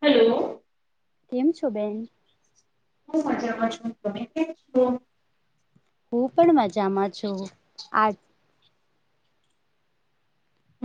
Hello કેમ છો બેન હું મજામાં છું ગમે હ હું પણ મજામાં છું આ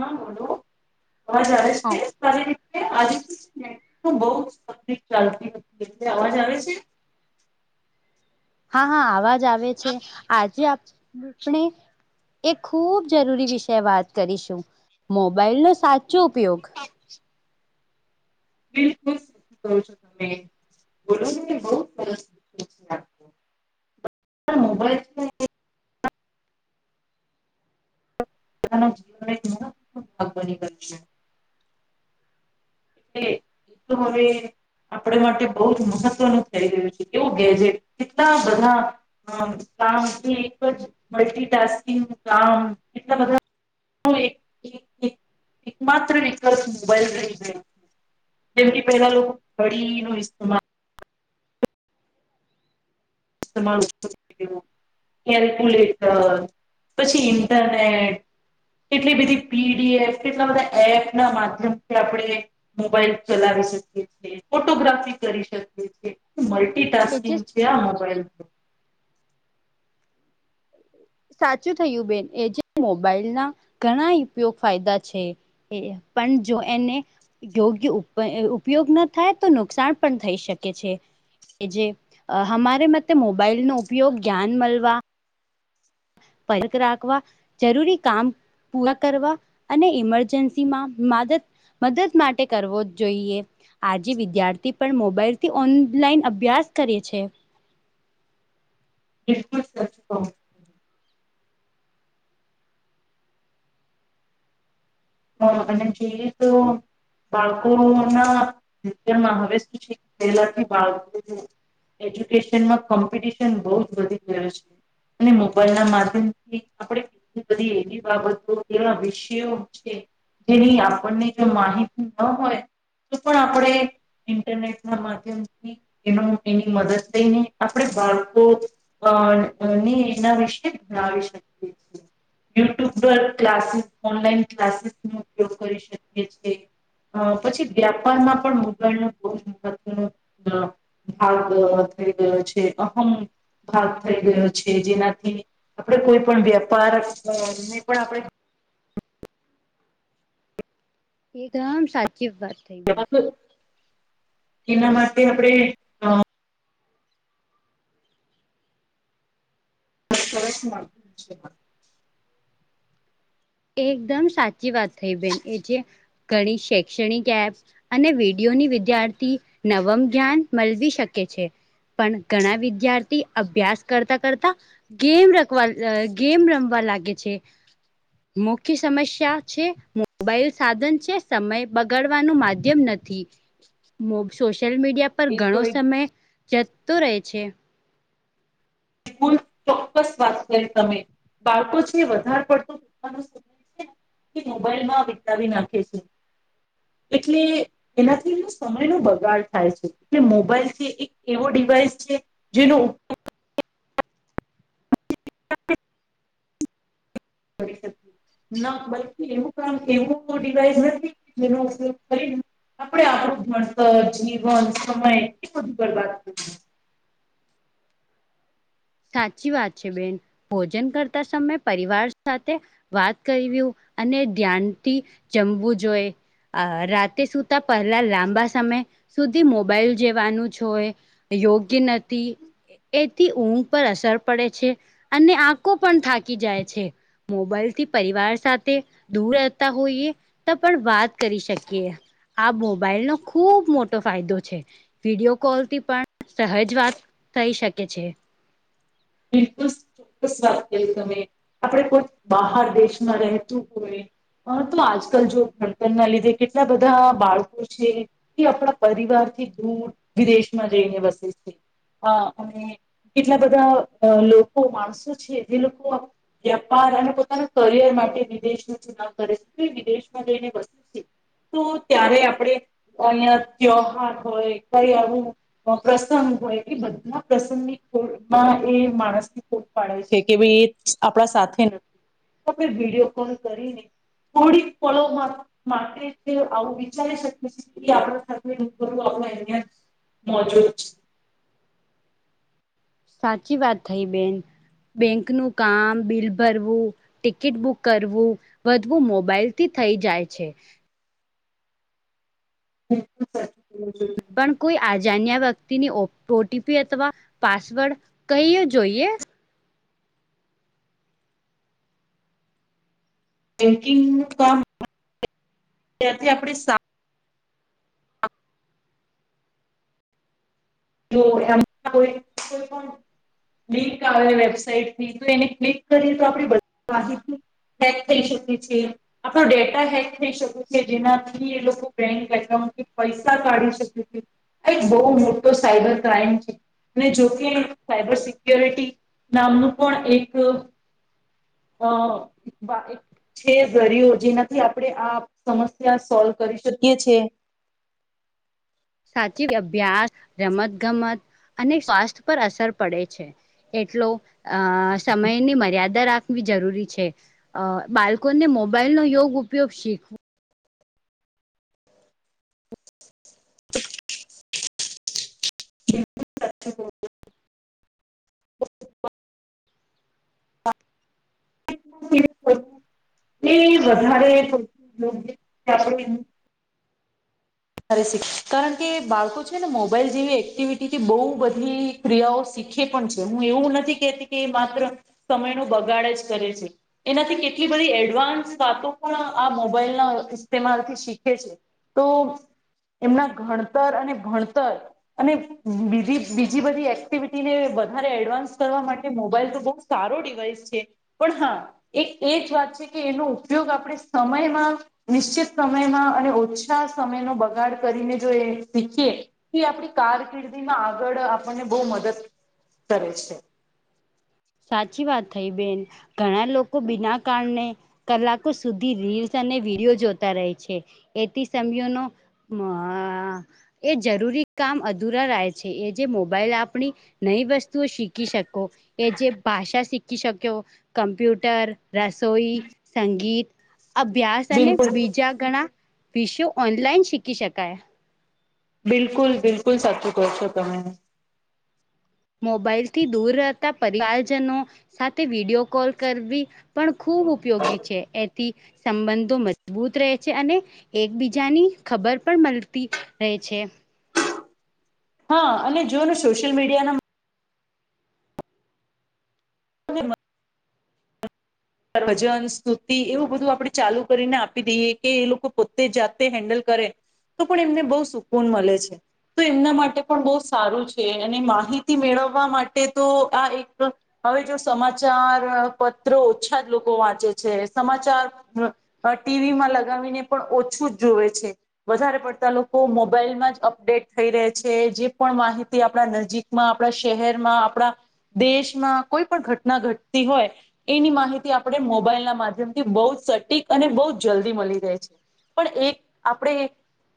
હા હલો અવાજ આવે છે તારી આજ બ ચાલતી હતી અવાજ આવે છે. હા હા આવાજ આવે છે આજે આપણે એ ખૂબ જરૂરી વિષ વાત કરીશું મોબાઈલ નો સાચો ઉપયોગ બલકુલ કર છો તમે બોલો બ સર પણ મોબાઈલ છે પોતાના જીવગની એ એ તો હવે આપણે માટે બહુ જ મહત્વનું થઈ ગયું છે એવું ગેજેટ કેટલા બધા હ કામ એક જ મલ્ટીટાસ્કિંગ કામ કેટલા બધા એક એકમાત્ર વિકલ્પ મોબાઈલ રહી જેમથી પેલા લોકો કડી નોમાલ તમા કેલ્કુલેટર પછી ઇન્ટરનેટ કેટલી બધી પીડીએફ કેટલા બધા એપ ના માધ્યમથી આપણે મોબાઈલ ચલાવી શકીએ છીએ ફોટોગ્રાફી કરી શકીએ કે જે મલ્ટીટાસ્કિંગ છે આ મોબાઈલ સાચું થયું બેન એજ મોબાઈલ ના ઘણા ઉપયોગ ફાયદા છે. એ પણ જો એને યોગ્ય ઉપયોગ ના થાય તો નુકસાન પણ થઈ શકે છે. જે અમારે મતે મોબાઈલ નો ઉપયોગ જ્ઞાન મળવા પરક રાખવા જરૂરી કામ પૂરા કરવા અને ઇમરજન્સી માં માદદ મદદ માટે કરવો જ જોઈએ આજે વિદ્યાર્થી પણ મોબાઈલથી ઓનલાઈન અભ્યાસ કરે છે. બિલકુલ સચ કહો મોરખને જે તો બાળકો ના જવનમાં હવે શું છે પહેલાથી બાળકો એજ્યુકેશનમાં કોમ્પિટિશન બહુ જ વધી ગયો છે. અને મોબાઈલ ના માધ્યમ થી આપણે બધી એવી બાબતો એવા વિષયો છે. જેની આપણને જો માહિતી ન હોય પણ આપણે ઇન્ટરનેટ ના માધ્યમથી એનો એની મદદ લઈને આપણે બાળકો અ નિજના વિશે જણાવી શકીએ છીએ. યુટ્યુબ પર ક્લાસીસ ઓનલાઈન ક્લાસીસ નો ઉપયોગ કરી શકીએી અ પછી વ્યાપારમાં પણ મોબાઈલ ન બહુ જ મહત્વ ન ભાગ થઈ ગયો છે અહમ ભાગ થઈ ગયો છે જેનાથી આપણે કોઈ પણ વેપાર પણ આપણે એકદમ સાચી વાત થઈ બેન એના માટેસ્ આપણેે સરસ એકદમ સાચી વાત થઈ બેન એ જે ઘણી શૈક્ષણિક એપ અને વિડીિયોની વિદ્યાર્થી નવમ જ્ઞાન મળવી શકે છે. પણ ઘણા વિદ્યાર્થી અભ્યાસ કરતા કરતા. ગેમ રખવા ગેમ રમવા લાગે છે. મુખ્ય સમસ્યા છે મોબાઈલ સાધન છે સમય બગાડવાનું માધ્યમ નથી. સોશિયલ મીડિયા પર એ તો ઘણો એક સમય જતો રહે છે. ચોક્કસ વાત કરી તમે બાળકો છે વધારે પડતો સમય છે. મોબાઈલ માં વિતાવી નાખે છે એટલે એનાથી સમય નો બગાડ થાય છે એટલે મોબાઈલથી એક એવો ડિવાઈસ છે. જેનો ઉપયો. બ શ ના બકી એવું કામ એવું ડિવાઈસ નથી જેનો ઉપયોગ કરીને. આપડ આપણું ભણતર જીવન સમય એ બધું ગબત કરી. સાચી વાત છે બેન ભોજન કરતા સમય પરિવાર સાથે વાત કર્યું અને ધ્યાનથી જમવું જોઈ. અ રાતે સુતા પહેલા લાંબા સમય સુધી મોબાઈલ જેવાનું છય. યોગ્ય નથી હતી એં. પર અસર પડે છે અને આંખો પણ થાકી જાય છે. મોબાઈલ થી પરિવાર સાથે દૂર રહેતા હોઈએ તો પણ વાત કરી શકી આ મોબાઈલ નો ખૂબ મોટો તો ફાયદો છે વિડીિયો કોલ થી પણ સહજ વાત થઈ શકે છે. બિલકુલ ચોક્સ વાત કરી તમે આપણે કોઈ બહાર દેશમાં રહેતું હોય. હ તો આજકાલ જો ઘડતન ના લીધે કેટલા બધા બાળકો છે. એ આપણા પરિવાર થી દૂર વિદેશમાં જઈને વસે છે હ અને કેટલા બધા લોકો માણસો છે જે લોકો વ્યાપાર અને પોતાના કરિયર માટે વિદેશ ે છે વિદેશમાં જઈને વસે છે તો ત્યારે આપણે અહિયાં ત્યોહાર હોય કઈ આવું. પ્રસંગ હોય બધા પ્રસંગની ખોમાં એ માણસની ખોટ પાડે છે કે ભાઈ એ આપણા સાથે તો વિડીયો કોલ કરીને. થોડીક પળો માટે આવું વિચારી શકીએ છે. આપ બું આપ અહિયાં જ મોજો છે. સાચી વાત થઈ બેન બેંક નું કામ બિલ ભરવું. ટિકિટ બુક કરવું વધવું મોબાઈલ થી થઈ જાય છે. બ સા પણ કોઈ આજાણ્યા વ્યક્તિની ઓટીપી અથવા પાસવર્ડ કઈ જોઈએ. બેન્કિંગ કામ ત્યાથી આપણે તો એમ કો કોઈ પણ લિંક આવે વેબસાઇટથી તો એને ક્લિક કરીએ તો આપ બધ માહિતી હેક થઈ શકે છે. આપણો ડેટા હેક થઈ શકે છે જેનાથી એ લોકો બેંક એકાઉન્ટથી પૈસા કાઢી શકે છે. આ એક બહુ મોટો સાઈબર ક્રાઈમ છે. અને જોકે સાયબર સિક્યોરિટી નામનું પણ એક હ એક છે દરયો જેનાથી આપણે આ સમસ્યા સોલ્વ કરી શકીએ છે. સાચી અભ્યાસ રમત ગમત અને સ્વાસ્થ્ય પર અસર પડે છે એટલો અ સમયની મર્યાદા રાખ જરૂરી છે બાળકોને મોબાઈલ નો યોગ ઉપયોગ શીખવો. [inaudible] એ વધારે આપણે રે શિક કારણ કે બાળકો છે ને મોબાઈલ જેવી એક્ટિવિટીથી બહુ બધી ક્રિયાઓ શીખે પણ છે હું એવું નથી કેહેતી કે એ માત્ર સમય ન બગાડે જ કરે છે. એનાથી કેટલી બધી એડવાન્સ વાતો પણ આ મોબાઈલના ઇસ્તેમાલથી શીખે છે. તો એમના ગણતર અને ભણતર અને બીજી બીજી બધી એક્ટિવિટીને વધારે એડવાન્સ કરવા માટે મોબાઈલ તો બહુ સારો ડિવાઈસ છે પણ હા એક એ જ વાત છે કે એનો ઉપયોગ આપણે સમયમાં નિશ્ચિત સમયમાં અને ઓછા સમયનો બગાડ બગાડ કરીને જો એ શીખીએ એ આપણી કારકિર્દી માં આગળ આપણને બહુ મદદ કરે છે. સાચી વાત થઈ બેન ઘણા લોકો બીના કારણે કલાકો સુધી રીલ્સ અને વિડીિયો જોતા રહે છે એથી સમયોનો હ એ જરૂરી કામ અધુરા રહે છે એ જે મોબાઈલ આપ આપણી નવી વસ્તુઓ શીખી શકો એ જે ભાષા શીખી શક્યો કમ્પ્યુટર રસોઈ સંગીત અભ્યાસ અને બિલકુલ બીજા ઘણા વિષયો ઓનલાઈન શીખી શકાય બિલકુલ બિલકુલ સાચું ક છો તમે મોબાઈલથી દૂર રહેતા પરિવારજનો સાથે વિડીયો કોલ કરવી પણ ખૂબ ઉપયોગી છે. થી સંબંધો મજબૂત રહે છે અને એકબીજાની ખબર પણ મળતી રહે છે. હા અને જો સોશિયલ મીડિયા ના ભજન સ્તુતિ એવું બધું આપણે ચાલુ કરીને આપી દઈએ કે એ લોકો પોતે જાતે હેન્ડલ કરે તો પણ એમને બહુ સુકૂન મળે છે. તો એમના માટે પણ બહુ સારું છે અને માહિતી મેળવવા માટે તો આ એક હવે જો સમાચાર પત્રો ઓછા જ લોકો વાંચે છે સમાચાર અ ટીવીમાં લગાવીને પણ ઓછું જ જોવે છે. વધારે પડતા લોકો મોબાઈલમાં જ અપડેટ થઈ રહે છે જે પણ માહિતી આપણા નજીક આપણા શહેરમાં આપણા દેશમાં કોઈ પણ ઘટના ઘટતી હોય એની માહિતી થી આપણે મોબાઈલ ના માધ્યમ થી બહુ સટીક અને બહુ જલ્દી મળી રહે છે. પણ એક આપણે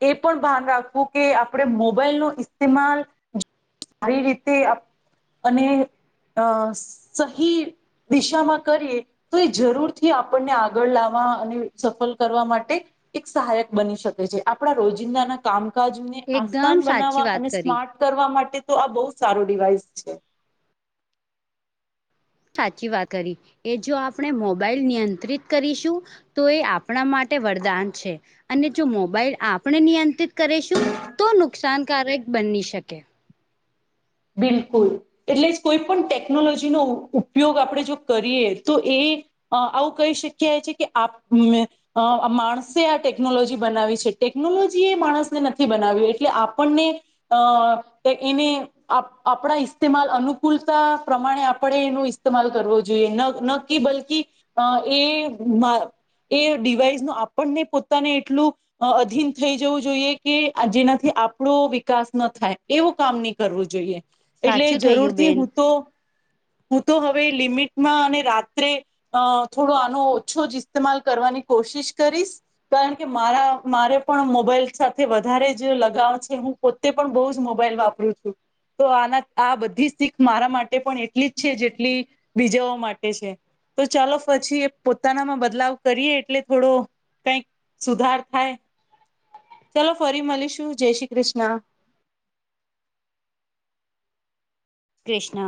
એ પણ ભાન રાખવું કે આપણે મોબાઈલ નો ઇસ્તેમાલ સારી રીતે અને અ સહી દિશામાં કરીએ તો એ જરૂર થી આપણને આગળ લાવવા અને સફળ કરવા માટે એક સહાયક બની શકે છે આપડા રોજિંદા ના કામકાજ ને આસાન એકદમ સાચી બનાવવા વાત અને કરી સ્માર્ટ કરવા માટે તો આ બહુ સારો ડિવાઈસ છે. સાચી વાત કરી એ જો આપણે મોબાઈલ નિયંત્રિત કરીશું તો એ આપણા માટે વરદાન છે અને જો મોબાઈલ આપણે નિયંત્રિત કરીશું તો નુકસાનકારક બની શકે બિલકુલ એટલે કોઈ પણ ટેકનોલોજીનોો ઉપયોગ આપણે જો કરીએ તો એ અ આવું કહી શકીએ છે કે આપ અ માણસે આ ટેકનોલોજી બનાવી છે ટેકનોલોજી એ માણસને નથી બનાવ્યું એટલે આપણને અ [unintelligible] આપણા ઇસ્તેમાલ અનુકૂલતા પ્રમાણે આપણે એનું ઇસ્તેમાલ કરવો જોઈએ બાકી એ એ ડિવાઈસ નું આપણને પોતાને એટલું અધીન થઈ જવું જોઈએ કે જેનાથી આપણો વિકાસ ન થાય એવો કામ ની કરવું જોઈએ એટલે સાચું જરૂર થયું થી બેન હું તો હું તો હવે લિમિટમાં અને રાત્રે અ થોડો આનો ઓછો જ ઇસ્તેમાલ કરવાની કોશિશ કરીશ કારણ કે મારા મારે પણ મોબાઈલ સાથે વધારે જ લગાવ છે હું પોતે પણ બઉ જ મોબાઈલ વાપરું છું તો આના આ બધી શીખ મારા માટે પણ એટલી જ છે જેટલી બીજાઓ માટે છે તો ચાલો પછી એ પોતાનામાં બદલાવ કરીએ એટલે થોડો કઈક સુધાર થાય ચલો ફરી મળીશું જય શ્રી કૃષ્ણ. કૃષ્ણ.